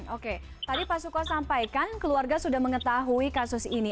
oke tadi pak suko sampaikan keluarga sudah mengetahui kasus ini